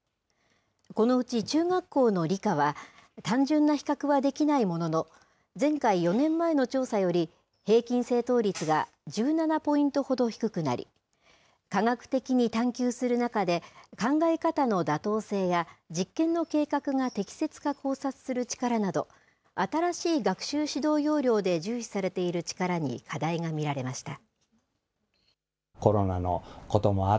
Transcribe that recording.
このうち中学校の理科は、単純な比較はできないものの、前回・４年前の調査より平均正答率が１７ポイントほど低くなり、科学的に探求する中で、考え方の妥当性や、実験の計画が適切か考察する力など、新しい学習指導要領で重視されている力に課題が見られました。